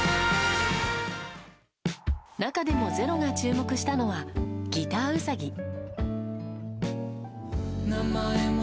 中でも「ｚｅｒｏ」が注目したのは「ギターウサギ」。